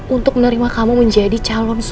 untuk menerima kamu menjadi calon suami aku